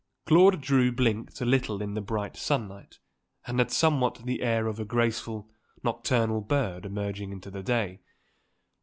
Claude Drew blinked a little in the bright sunlight and had somewhat the air of a graceful, nocturnal bird emerging into the day.